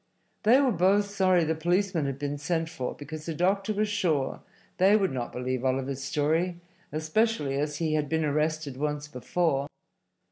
They were both sorry the policemen had been sent for, because the doctor was sure they would not believe Oliver's story, especially as he had been arrested once before.